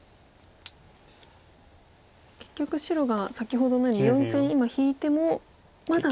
結局白が先ほどのように４線今引いてもまだ。